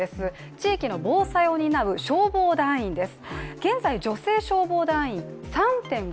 地域の防災を担う、消防団員です。